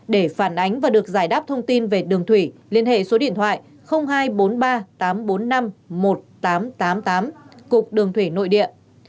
để phản ánh và được giải đáp thông tin về đường thủy liên hệ số điện thoại hai trăm bốn mươi ba tám trăm bốn mươi năm một nghìn tám trăm tám mươi tám cục đường thủy nội địa